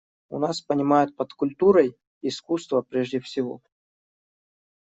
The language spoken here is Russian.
У нас понимают под «культурой» искусство прежде всего.